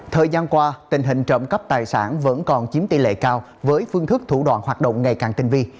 thời gian qua tình hình trộm cắp tài sản vẫn còn chiếm tỷ lệ cao với phương thức thủ đoạn hoạt động ngày càng tinh vi